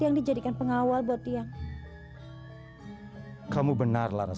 bisa kita jadikan pengawal pribadi untuk lara sati